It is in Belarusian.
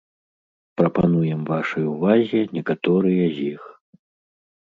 Прапануем вашай увазе некаторыя з іх.